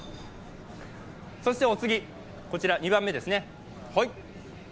そして、お次、こちら２番目ですね。